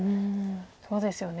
そうですよね